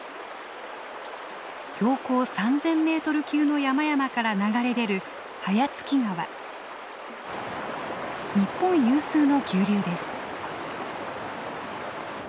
標高３，０００メートル級の山々から流れ出る日本有数の急流です。